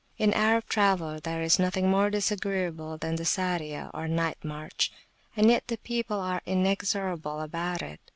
In Arab travel there is nothing more disagreeable than the Sariyah or night march, and yet the people are inexorable about it.